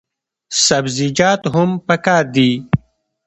سبزیجات هم پکار دي.